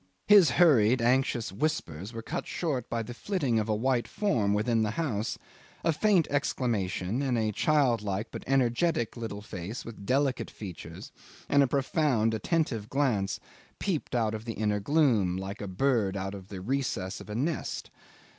His hurried, anxious whispers were cut short by the flitting of a white form within the house, a faint exclamation, and a child like but energetic little face with delicate features and a profound, attentive glance peeped out of the inner gloom, like a bird out of the recess of a nest.